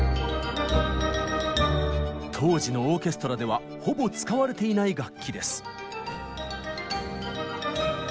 当時のオーケストラではほぼ使われていない楽器です。